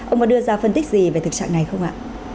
ông có đưa ra phân tích gì về thực trạng này không ạ